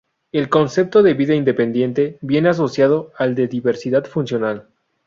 El concepto de vida independiente viene asociado al de diversidad funcional.